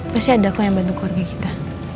pasti ada kok yang bantu keluarga kita